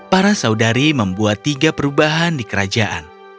para saudari membuat tiga perubahan di kerajaan